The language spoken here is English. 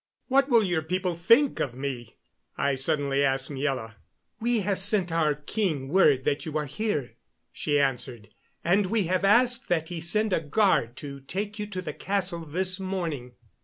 "What will your people think of me?" I suddenly asked Miela. "We have sent our king word that you are here," she answered, "and we have asked that he send a guard to take you to the castle this morning."